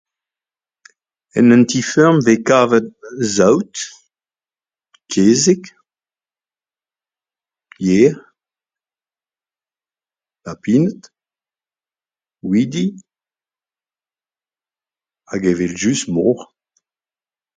En un ti feurm 'vez kavet : saout, kezeg, yer, lapined, ouidi hag evel just moc' h